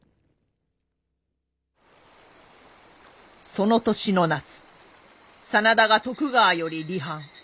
その年の夏真田が徳川より離反。